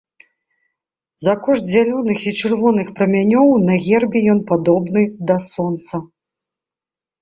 За кошт зялёных і чырвоных прамянёў на гербе ён падобны да сонца.